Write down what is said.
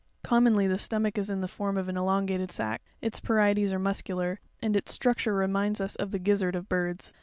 Com monly the stom ach is in the form of an elongated sack ; its parietes are muscular, and its structure re minds us of the gizzard of birds.